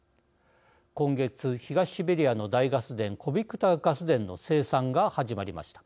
今月、東シベリアの大ガス田コビクタ・ガス田の生産が始まりました。